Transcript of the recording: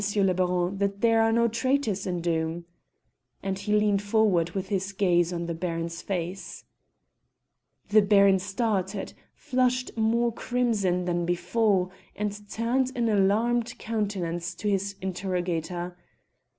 le Baron, there are no traitors in Doom?" and he leaned forward with his gaze on the Baron's face. The Baron started, flushed more crimson than before, and turned an alarmed countenance to his interrogator.